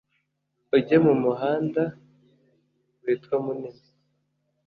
ujye mu muhanda witwa munini